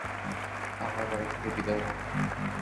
আমার বাড়ি থেকে বিদেয় হোন!